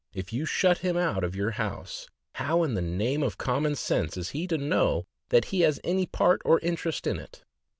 If you shut him out of your house, how in the name of com mon sense is he to know that he has any part or interest in it?